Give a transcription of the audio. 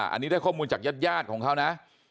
อันนี้ได้ข้อมูลจากญาติของเขานะ